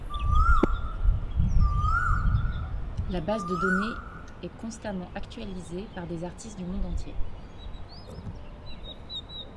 La base de données est constamment actualisée par des artistes du monde entier.